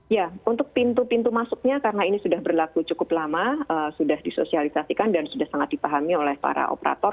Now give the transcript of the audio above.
ya untuk pintu pintu masuknya karena ini sudah berlaku cukup lama sudah disosialisasikan dan sudah sangat dipahami oleh para operator